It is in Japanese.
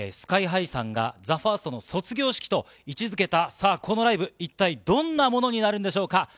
ＳＫＹーＨＩさんが、ＴＨＥＦＩＲＳＴの卒業式と位置づけた、さあ、このライブ、一体どんなものになるんでしょうか。